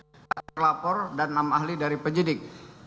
enam ahli dari pihak pelapor dan enam ahli dari penyidik